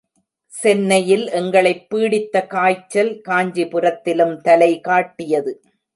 சென்னையில் எங்களைப் பீடித்த காய்ச்சல் காஞ்சிபுரத்திலும் தலை காட்டியது.